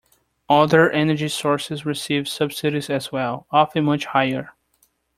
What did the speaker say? Other energy sources receive subsidies as well, often much higher.